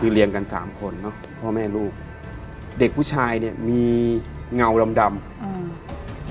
คือเรียนกันสามคนเนอะพ่อแม่ลูกเด็กผู้ชายเนี้ยมีเงาดำดำอืม